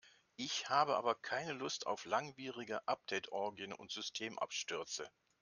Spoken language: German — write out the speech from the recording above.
Ich habe aber keine Lust auf langwierige Update-Orgien und Systemabstürze.